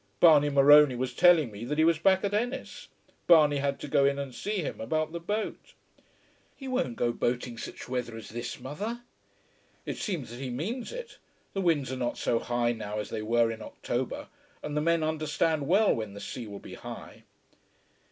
"Barney Morony was telling me that he was back at Ennis. Barney had to go in and see him about the boat." "He won't go boating such weather as this, mother?" "It seems that he means it. The winds are not so high now as they were in October, and the men understand well when the sea will be high."